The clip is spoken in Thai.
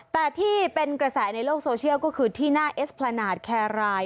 แต่ที่เป็นกระแสในโลกโซเชียลก็คือที่หน้าเอสพลานาทแครราย